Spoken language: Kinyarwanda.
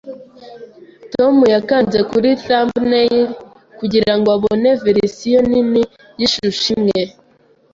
Tom yakanze kuri thumbnail kugirango abone verisiyo nini yishusho imwe